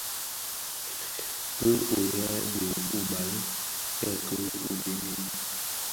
Ki ughèi di ubali kèki dheňi.